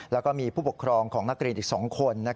แล้วก็มีผู้ปกครองของนักเรียนอีก๒คน